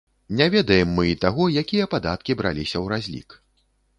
Не ведаем мы і таго, якія падаткі браліся ў разлік.